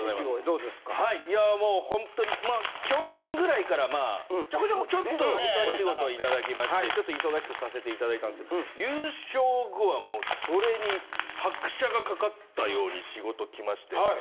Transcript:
いやもうほんとに去年ぐらいからちょっとお仕事いただきましてちょっと忙しくさせていただいたんですけど優勝後はもうそれに拍車がかかったように仕事来まして。